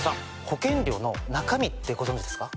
保険料の中身ってご存じですか？